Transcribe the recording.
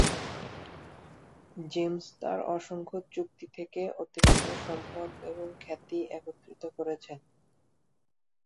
James তার অসংখ্য চুক্তি থেকে অতিরিক্ত সম্পদ এবং খ্যাতি একত্রিত করেছেন।